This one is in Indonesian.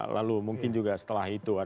lalu mungkin juga setelah itu